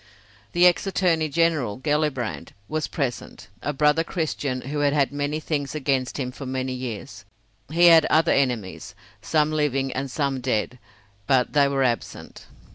The ex Attorney General, Gellibrand, was present, a brother Christian who had had many things against him for many years. He had other enemies, some living and some dead, but they were absent.